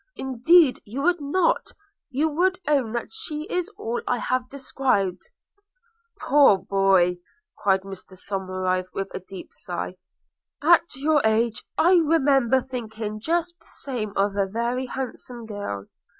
Indeed you would not: you would own that she is all I have described.' 'Poor boy!' cried Mr Somerive with a deep sigh; 'at your age I remember thinking just the same of a very handsome girl.